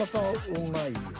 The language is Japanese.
うまいよ］